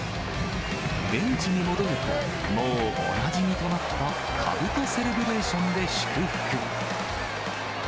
ベンチに戻ると、もうおなじみとなったかぶとセレブレーションで祝福。